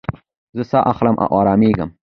زه ساه اخلم او ارامېږم.